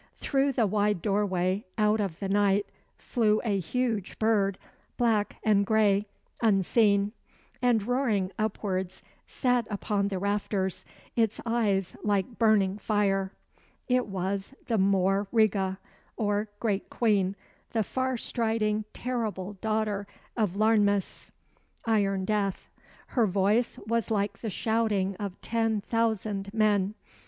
Through the wide doorway out of the night flew a huge bird, black and gray, unseen; and soaring upwards sat upon the rafters, its eyes like burning fire. It was the Mór Reega, or Great Queen, the far striding, terrible daughter of Iarnmas (Iron Death). Her voice was like the shouting of ten thousand men.